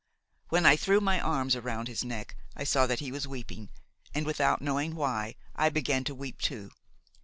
When I threw my arms around his neck, I saw that he was weeping, and, without knowing why, I began to weep too.